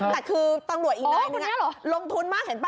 แต่คือตำรวจอีกนายนึงลงทุนมากเห็นป่